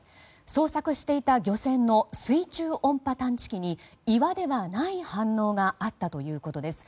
捜索していた漁船の水中音波探知機に岩ではない反応があったそうです。